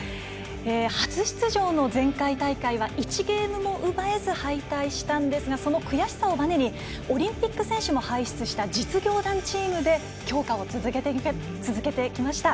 初出場の前回大会は１ゲームも奪えず敗退したんですがその悔しさをバネにオリンピック選手も輩出した実業団チームで強化を続けてきました。